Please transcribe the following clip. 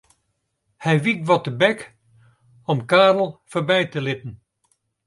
Hy wykt wat tebek om Karel foarby te litten.